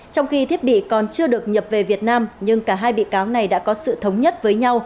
trong khi thiết bị còn chưa được nhập về việt nam nhưng cả hai bị cáo này đã có sự thống nhất với nhau